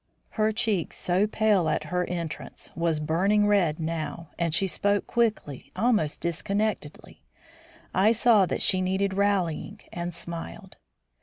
Her cheek, so pale at her entrance, was burning red now, and she spoke quickly, almost disconnectedly. I saw that she needed rallying, and smiled.